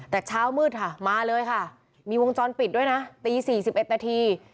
แต่เช้ามืดค่ะมาเลยค่ะมีวงจรปิดด้วยนะตี๔๑นาที